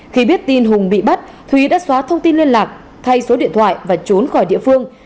khi biết tin hùng bị bắt thúy đã xóa thông tin liên lạc thay số điện thoại và trốn khỏi địa phương